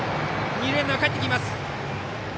二塁ランナーはかえってくる。